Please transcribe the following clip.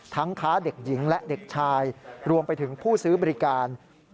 ค้าเด็กหญิงและเด็กชายรวมไปถึงผู้ซื้อบริการ